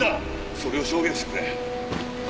それを証言してくれ。